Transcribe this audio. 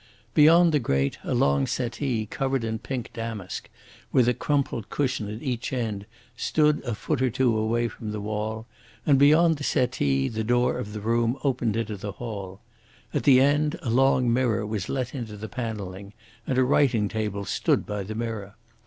Beyond the grate a long settee covered in pink damask, with a crumpled cushion at each end, stood a foot or two away from the wall, and beyond the settee the door of the room opened into the hall. At the end a long mirror was let into the panelling, and a writing table stood by the mirror.